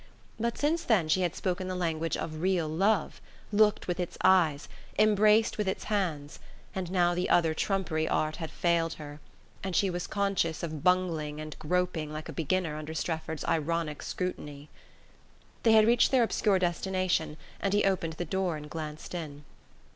But since then she had spoken the language of real love, looked with its eyes, embraced with its hands; and now the other trumpery art had failed her, and she was conscious of bungling and groping like a beginner under Strefford's ironic scrutiny. They had reached their obscure destination and he opened the door and glanced in.